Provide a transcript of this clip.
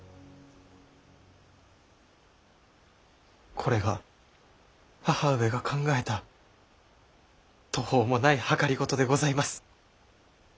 これが母上が考えた途方もない謀でございます。